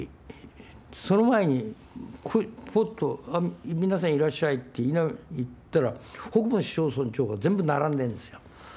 その前にぽっと「皆さんいらっしゃい」って言ったら北部の市町村長が全部並んでるんですよ。